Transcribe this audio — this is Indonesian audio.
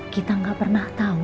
kita gak pernah tau